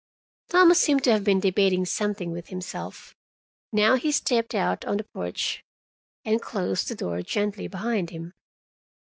Thomas seemed to have been debating something with himself. Now he stepped out on the porch and closed the door gently behind him.